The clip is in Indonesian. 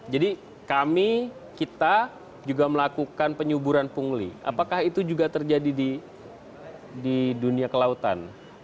jadi kami kita juga melakukan penyuburan pungli apakah itu juga terjadi di dunia kelautan